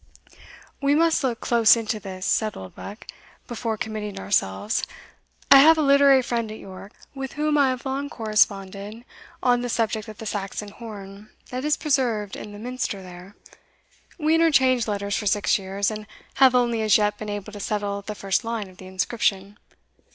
"We must look close into this," said Oldbuck, "before committing ourselves. I have a literary friend at York, with whom I have long corresponded on the subject of the Saxon horn that is preserved in the Minster there; we interchanged letters for six years, and have only as yet been able to settle the first line of the inscription.